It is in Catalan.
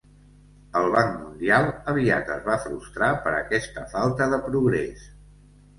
El Banc Mundial aviat es va frustrar per aquesta falta de progrés.